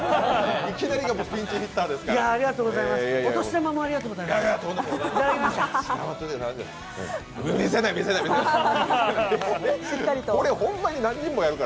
いきなりがピンチヒッターですから。